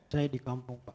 saya di kampung